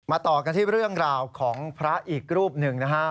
ต่อกันที่เรื่องราวของพระอีกรูปหนึ่งนะฮะ